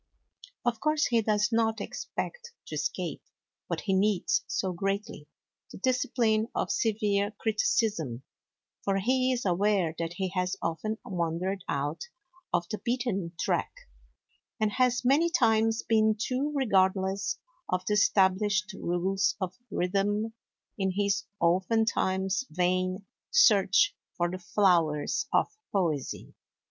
Of course he does not expect to escape, what he needs so greatly, the discipline of severe criticism; for he is aware that he has often wandered out of the beaten track, and has many times been too regardless of the established rules of rhythm, in his (oftentimes vain) search for the flowers of poesy.